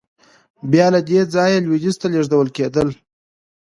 بیا له دې ځایه لوېدیځ ته لېږدول کېدل.